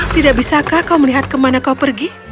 tidak bisakah kau melihat ke mana kau pergi